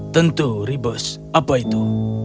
tentu ribos apa itu